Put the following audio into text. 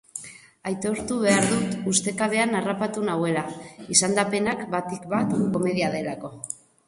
Aitortu behar dut ustekabean harrapatu nauela izendapenak, batik bat, komedia delako.